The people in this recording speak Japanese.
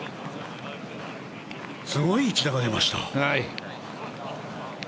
すごい一打が出ました。